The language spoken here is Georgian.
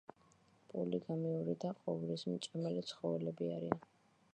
პოლიგამიური და ყოვლისმჭამელი ცხოველები არიან.